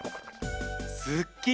すっきり！